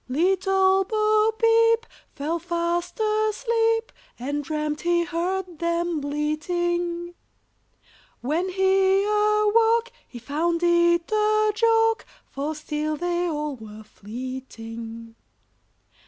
Little Bo Peep fell fast asleep, And dreamt he heard them bleating When he awoke, he found it a joke, For still they all were fleeting.